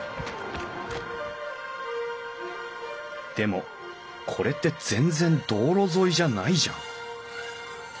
でもこれって全然道路沿いじゃないじゃん。